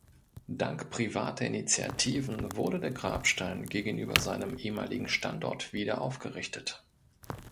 Dank privater Initiativen wurde der Grabstein gegenüber seinem ehemaligen Standort wieder aufgerichtet.